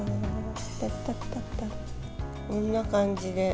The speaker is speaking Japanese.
こんな感じで。